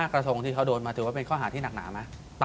กระทรงที่เขาโดนมาถือว่าเป็นข้อหาที่หนักหนาไหม